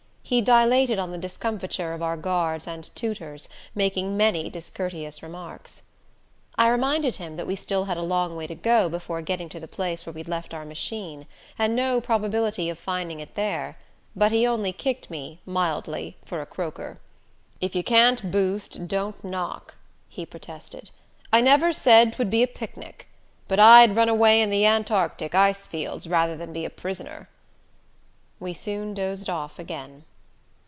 He dilated on the discomfiture of our guards and tutors, making many discourteous remarks. I reminded him that we had still a long way to go before getting to the place where we'd left our machine, and no probability of finding it there; but he only kicked me, mildly, for a croaker. "If you can't boost, don't knock," he protested. "I never said 'twould be a picnic. But I'd run away in the Antarctic ice fields rather than be a prisoner." We soon dozed off again.